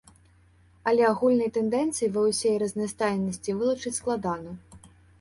Але агульныя тэндэнцыі ва ўсёй разнастайнасці вылучыць складана.